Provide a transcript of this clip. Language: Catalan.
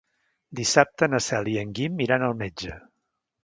Dissabte na Cel i en Guim iran al metge.